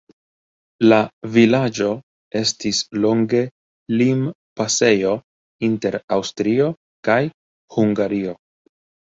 La vilaĝo estis longe limpasejo inter Aŭstrio kaj Hungario.